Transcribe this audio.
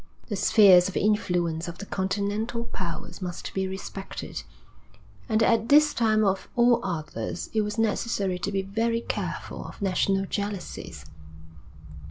The spheres of influence of the continental powers must be respected, and at this time of all others it was necessary to be very careful of national jealousies.